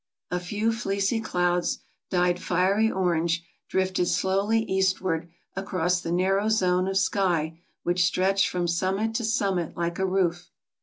A few fleecy clouds, dyed fiery orange, drifted slowly eastward across the narrow zone of sky which stretched from summit to summit like a roof.